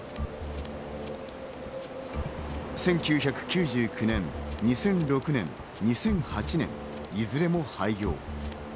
しかし１９９９年、２００６年、２００８年、いずれも廃業。